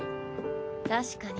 確かに。